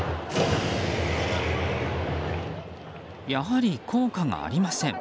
やはり、効果がありません。